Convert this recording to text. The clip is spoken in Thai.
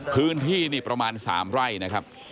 พื้นที่นี่ประมาณ๓ไร่นะครับ